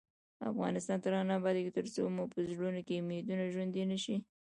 افغانستان تر هغو نه ابادیږي، ترڅو مو په زړونو کې امیدونه ژوندۍ نشي.